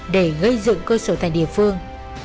để gây dựng cơ sở thành địa phương